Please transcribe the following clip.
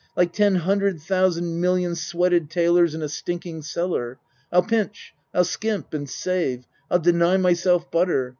Like ten hundred thousand million sweated tailors in a stinking cellar. I'll pinch. I'll skimp and save. I'll deny myself butter.